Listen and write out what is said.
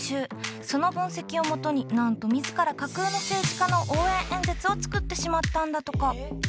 その分析をもとになんと自ら架空の政治家の応援演説を作ってしまったんだとか。